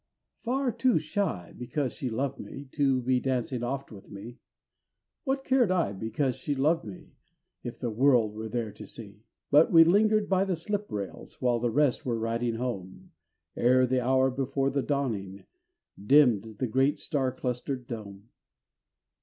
Far too shy, because she loved me, To be dancing oft with me; What cared I, because she loved me, If the world were there to see? But we lingered by the slip rails While the rest were riding home, Ere the hour before the dawning, Dimmed the great star clustered dome.